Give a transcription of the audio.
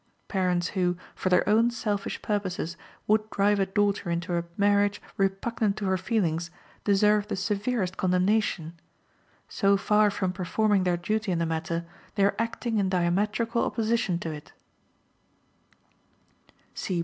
Parents who, for their own selfish purposes, would drive a daughter into a marriage repugnant to her feelings, deserve the severest condemnation. So far from performing their duty in the matter, they are acting in diametrical opposition to it.